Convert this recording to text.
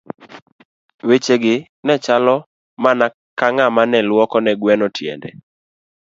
Weche gi ne chalo mana ka ng'ama ne lwoko ne gweno tiende.